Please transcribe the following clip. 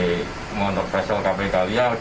kapal monopresel cape kalia